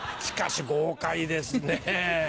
しかし豪快ですね。